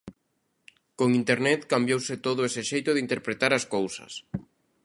Con Internet, cambiouse todo ese xeito de interpretar as cousas.